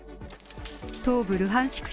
東部ルハンシク